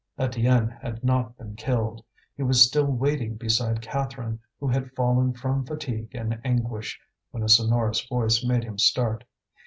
Étienne had not been killed. He was still waiting beside Catherine, who had fallen from fatigue and anguish, when a sonorous voice made him start.